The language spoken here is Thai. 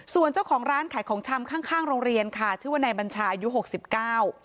ส่วนเจ้าของร้านขายของชำข้างข้างโรงเรียนค่ะชื่อว่านายบัญชาอายุหกสิบเก้า